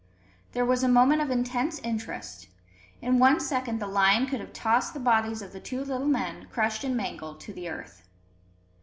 There was a moment of intense interest. In one second the lion could have tossed the bodies of the two little men, crushed and mangled, to the earth.